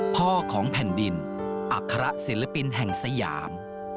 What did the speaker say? พ่อของแผ่นดินอัคระศิลปินแห่งสยาม